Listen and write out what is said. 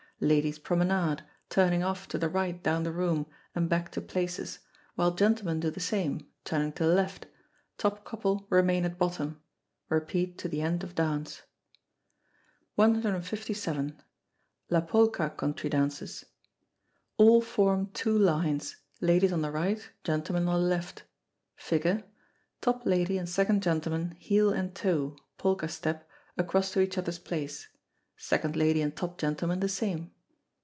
Ladies promenade, turning off to the right down the room, and back to places, while gentlemen do the same, turning to the left; top couple remain at bottom; repeat to the end of dance. 157. La Polka Country Dances. All form two lines, ladies on the right, gentlemen on the left. Figure. Top lady and second gentleman heel and toe (polka step) across to each other's place second lady and top gentleman the same.